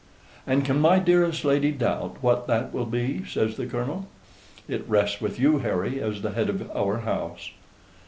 "And can my dearest lady doubt what that will be?" says the Colonel. "It rests with you, Harry, as the head of our house."